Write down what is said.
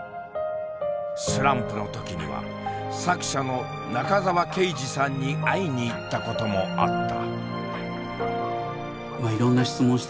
スランプの時には作者の中沢啓治さんに会いに行ったこともあった。